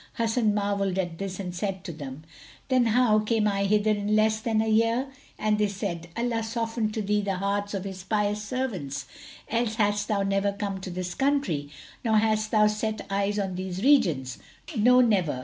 Hasan marvelled at this and said to them, "Then how came I hither in less than a year?"; and they said, "Allah softened to thee the hearts of His pious servants else hadst thou never come to this country nor hadst thou set eyes on these regions; no, never!